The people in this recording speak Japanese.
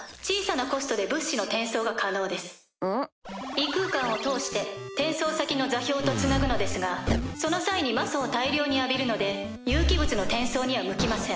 異空間を通して転送先の座標と繋ぐのですがその際に魔素を大量に浴びるので有機物の転送には向きません。